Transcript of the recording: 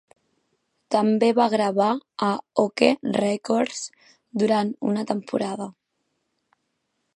També va gravar a Okeh Records durant una temporada.